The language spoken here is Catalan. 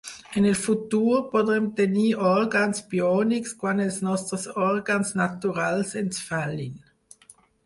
En el futur, podrem tenir òrgans biònics quan els nostres òrgans naturals ens fallin.